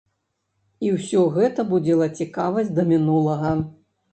І ўсё гэта будзіла цікаваць да мінулага.